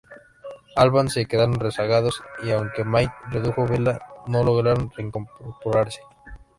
Albans se quedaron rezagados y, aunque Mayne redujo vela, no lograron reincorporarse.